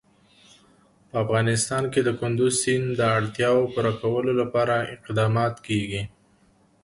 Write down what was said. په افغانستان کې د کندز سیند د اړتیاوو پوره کولو لپاره اقدامات کېږي.